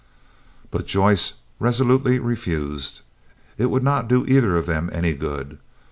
But Joyce resolutely refused. It would not do either of them any good.